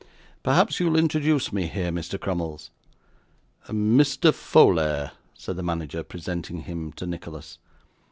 Perhaps you'll introduce me here, Mr. Crummles.' 'Mr. Folair,' said the manager, presenting him to Nicholas.